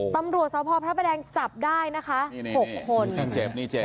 ตำรวจเซาะพ่อพระพระแรงจับได้๖คน